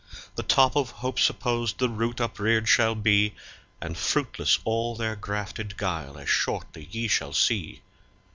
The top of hope supposed the root upreared shall be, And fruitless all their grafted guile, as shortly ye shall see.